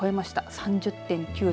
３０．９度。